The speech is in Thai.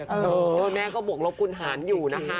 แล้วย็แม่ก็บวกลบคุณหลานอยู่